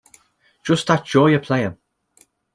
Just that joy of playing.